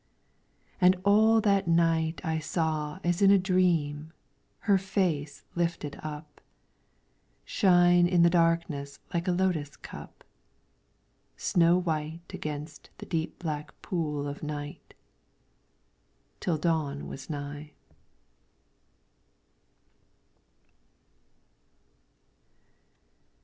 And all that night I saw as in a dream Her fair face lifted up Shine in the darkness like a lotus cup, Snow white against the deep black pool of night. Till dawn was nigh.